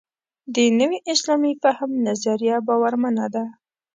د نوي اسلامي فهم نظریه باورمنه ده.